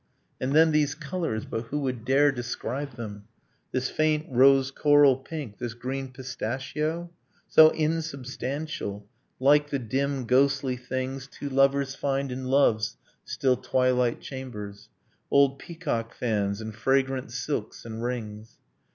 'And then these colors ... but who would dare describe them? This faint rose coral pink .. this green pistachio? So insubstantial! Like the dim ghostly things Two lovers find in love's still twilight chambers ... Old peacock fans, and fragrant silks, and rings